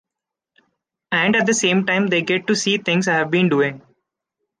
And at the same time they get to see things I've been doing.